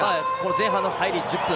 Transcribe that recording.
前半の入り１０分